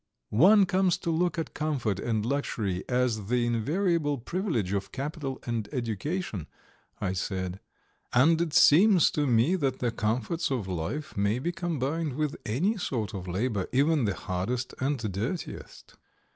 "One comes to look at comfort and luxury as the invariable privilege of capital and education," I said, "and it seems to me that the comforts of life may be combined with any sort of labour, even the hardest and dirtiest.